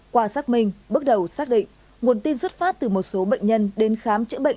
qua xác minh bước đầu xác định nguồn tin xuất phát từ một số bệnh nhân đến khám chữa bệnh